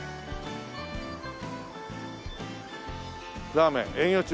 ラーメン営業中。